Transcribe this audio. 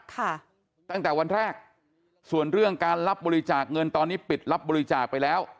ตั้งแต่วันแรกส่วนเรื่องการรับบริจาคเงินตอนนี้ปิดรับบริจาคไปแล้ว